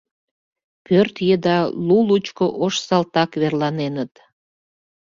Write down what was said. Пӧрт еда лу-лучко ош салтак верланеныт.